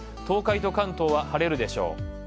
東海と関東は晴れるでしょう。